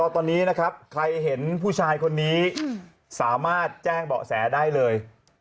ตอนนี้นะครับใครเห็นผู้ชายคนนี้สามารถแจ้งเบาะแสได้เลย